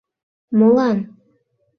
— Молан?..